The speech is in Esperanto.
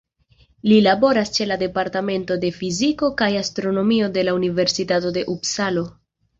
Li laboras ĉe la Departemento de Fiziko kaj Astronomio de la Universitato de Upsalo.